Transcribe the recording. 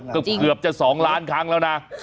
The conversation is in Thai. เกือบจะ๒ล้านครั้งแล้วนะ